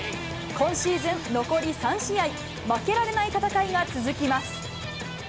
今シーズン残り３試合、負けられない戦いが続きます。